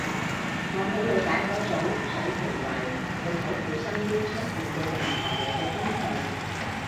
我好理解嗰種想成為會喺佢身邊出現嘅任何嘢嘅心情